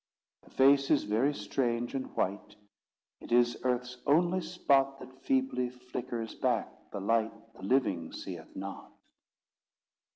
The face is very strange and white: It is Earth's only spot That feebly flickers back the light The living seeth not.